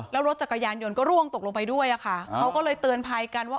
แล้วรถจักรยานยนต์ก็ร่วงตกลงไปด้วยอะค่ะเขาก็เลยเตือนภัยกันว่า